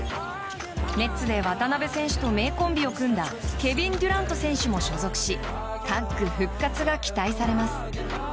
ネッツで渡邊選手と名コンビを組んだケビン・デュラント選手も所属しタッグ復活が期待されます。